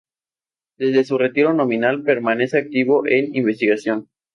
Desde su retiro nominal permanece activo en investigación.